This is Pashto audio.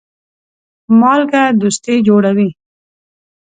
مالګه دوستي جوړوي.